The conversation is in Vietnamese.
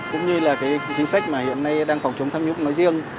cũng như là chính sách mà hiện nay đang phòng chống tham nhũng nói riêng